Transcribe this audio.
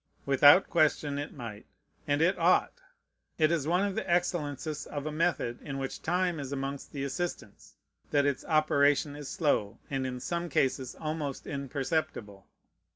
Without question it might; and it ought. It is one of the excellences of a method in which time is amongst the assistants, that its operation is slow, and in some cases almost imperceptible.